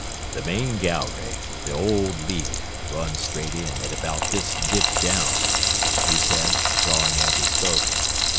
"The main gallery, the old lead, runs straight in, at about this dip down," he said, drawing as he spoke.